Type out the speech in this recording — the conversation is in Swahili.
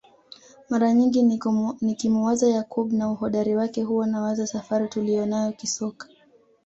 Mara nyingi nikimuwaza Yakub na uhodari wake huwa nawaza safari tuliyonayo kisoka